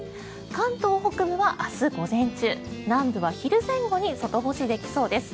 関東北部は明日午前中南部は昼前後に外干しできそうです。